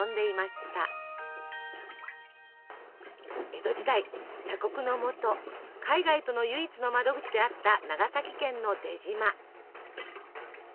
江戸時代鎖国のもと海外との唯一の窓口であった長崎県の出島。